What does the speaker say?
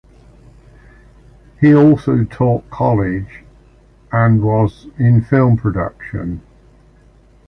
He also taught college and was in film production.